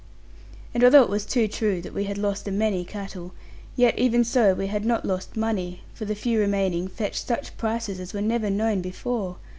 And although it was too true that we had lost a many cattle, yet even so we had not lost money; for the few remaining fetched such prices as were never known before.